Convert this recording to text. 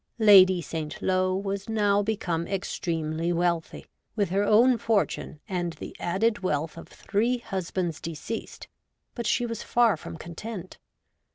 Lady Saint Lo was now become extremely wealthy, with her own fortune and the added wealth of three husbands deceased, but she was far from content.